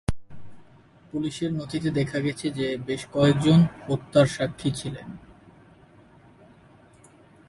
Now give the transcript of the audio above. পুলিশের নথিতে দেখা গেছে যে বেশ কয়েকজন হত্যার সাক্ষী ছিলেন।